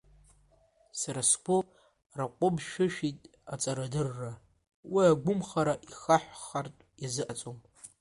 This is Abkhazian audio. Сара сгәы арҟәымшәышәит аҵарадырра, уи агәымхара ихаҳәхартә иазыҟаҵом.